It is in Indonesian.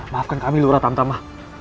maafkan kami lurah tamtama